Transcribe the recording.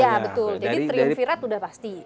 iya betul jadi triumvirat udah pasti